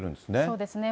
そうですね。